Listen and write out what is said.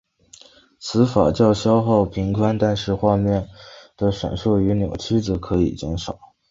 此法较消耗频宽但是画面的闪烁与扭曲则可以减少。